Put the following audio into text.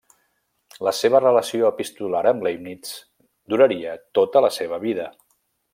La seva relació epistolar amb Leibnitz duraria tota la seva vida.